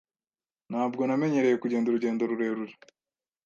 Ntabwo namenyereye kugenda urugendo rurerure.